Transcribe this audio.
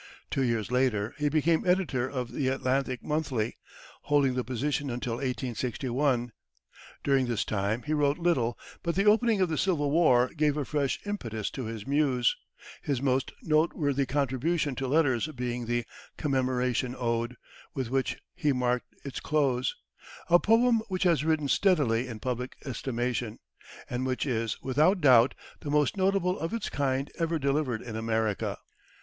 Two years later, he became editor of the Atlantic Monthly, holding the position until 1861. During this time, he wrote little, but the opening of the Civil War gave a fresh impetus to his muse, his most noteworthy contribution to letters being the "Commemoration Ode" with which he marked its close a poem which has risen steadily in public estimation, and which is, without doubt, the most notable of its kind ever delivered in America.